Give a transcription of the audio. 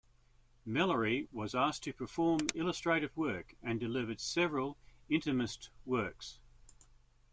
Mellery was asked to perform illustrative work and delivered several intimist works.